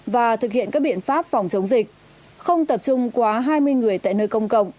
và thực hiện các biện pháp phòng chống dịch không tập trung quá hai mươi người tại nơi công cộng